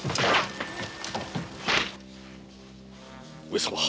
上様。